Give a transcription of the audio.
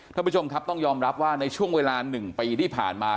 ท่านผู้ชมครับต้องยอมรับว่าในช่วงเวลา๑ปีที่ผ่านมา